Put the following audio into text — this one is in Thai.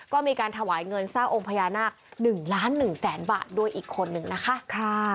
ก็มีการถวายเงินสร้างองค์พญานาค๑ล้าน๑แสนบาทด้วยอีกคนนึงนะคะ